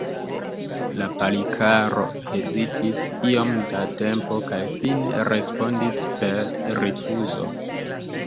La Palikaro hezitis iom da tempo kaj fine respondis per rifuzo.